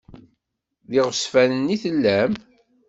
D iɣezfanen i tellam?